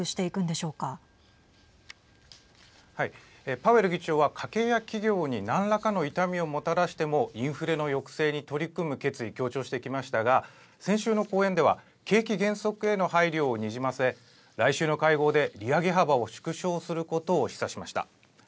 パウエル議長は家計や企業に何らかの痛みをもたらしてもインフレの抑制に取り組む決意強調してきましたが先週の講演では景気減速への配慮をにじませ来週の会合で利上げ幅を縮小することを示唆しました。